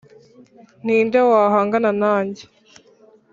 Ni nde wahangana nanjye